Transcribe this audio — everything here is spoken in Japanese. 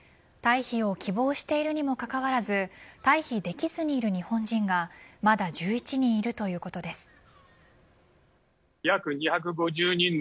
退避を希望しているにもかかわらず退避できずにいる日本人がまだ１１人いるということです。